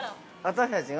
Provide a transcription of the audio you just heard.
◆私たちが？